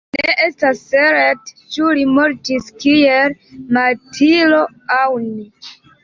Ne estas certe ĉu li mortis kiel martiro aŭ ne.